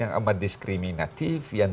yang amat diskriminatif yang